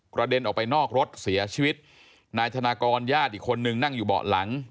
เด็นออกไปนอกรถเสียชีวิตนายธนากรญาติอีกคนนึงนั่งอยู่เบาะหลัง